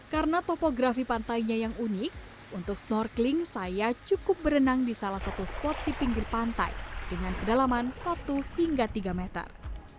karena topografi pantainya yang unik untuk snorkeling saya cukup berenang di salah satu spot di pinggir pantai dengan kedalaman satu hingga tiga meter